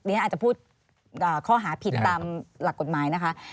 ฉันอาจจะพูดข้อหาผิดตามหลักกฎหมายนะคะ